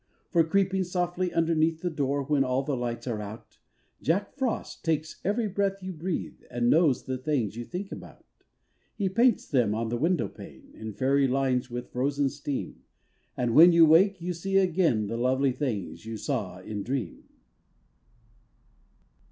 For creeping softly underneath The door when all the lights are out, Jack Frost takes every breath you breathe And knows the things you think about. He paints them on the window pane In fairy lines with frozen steam; And when you wake, you see again The lovely things you saw in dream.